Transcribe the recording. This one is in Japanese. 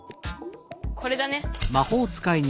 これだね。